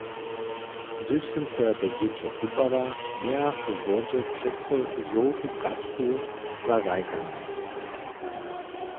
Hdyž sym so jako dźěćo kupała, mějach we wodźe přeco žołtu kačku za hrajkanje.